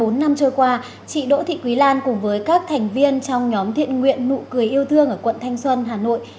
thưa quý vị đã bốn năm trôi qua chị đỗ thị quý lan cùng với các thành viên trong nhóm thiện nguyện nụ cười yêu thương ở quận thanh xuân hà nội